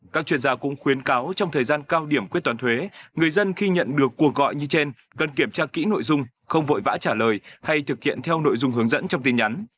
các chuyên gia cũng khuyến cáo trong thời gian cao điểm quyết toán thuế người dân khi nhận được cuộc gọi như trên cần kiểm tra kỹ nội dung không vội vã trả lời hay thực hiện theo nội dung hướng dẫn trong tin nhắn